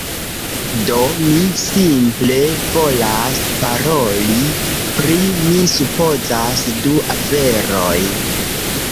Do, mi simple volas paroli pri... mi supozas du aferoj